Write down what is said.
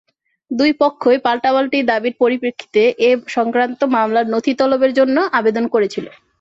দুই পক্ষই পাল্টাপাল্টি দাবির পরিপ্রেক্ষিতে এ-সংক্রান্ত মামলার নথি তলবের জন্য আবেদন করেছিল।